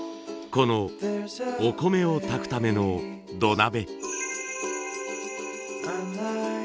このお米を炊くための土鍋。